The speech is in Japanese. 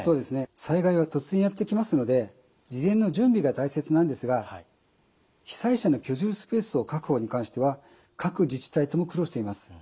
災害は突然やって来ますので事前の準備が大切なんですが被災者の居住スペースの確保に関しては各自治体とも苦労しています。